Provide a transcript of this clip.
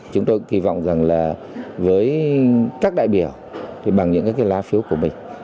chúng tôi kỳ vọng rằng là với các đại biểu thì bằng những cái lá phiếu của mình